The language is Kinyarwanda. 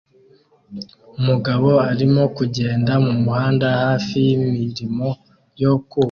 Umugabo arimo kugenda mumuhanda hafi yimirimo yo kubaka